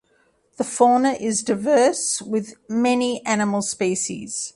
The fauna is diverse with many animal species.